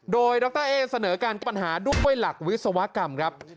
โดยดรเอ๊เสนอการปัญหาด้วยหลักวิศวกรรมครับ